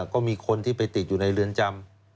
ก็มีคนที่ไปติดอยู่ในเรือนจำ